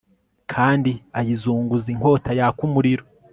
Kandi ayizunguza inkota yaka umuriro